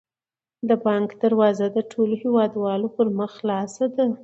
د بانک دروازه د ټولو هیوادوالو پر مخ خلاصه ده.